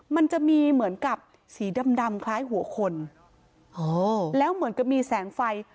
มันจะมีเหมือนกับสีดำดำคล้ายหัวคนอ๋อแล้วเหมือนกับมีแสงไฟ